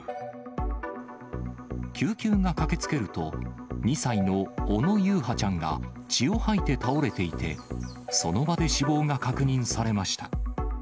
救急が駆けつけると、２歳の小野優陽ちゃんが血を吐いて倒れていて、その場で死亡が確認されました。